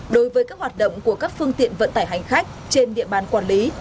đối với các hoạt động của các phương tiện vận tải hành khách trên địa bàn quản lý